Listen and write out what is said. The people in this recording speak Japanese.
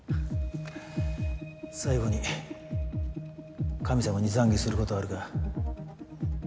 最後に神様にざんげすることはあるか？